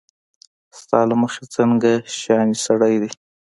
ستا له مخې څنګه شانتې سړی دی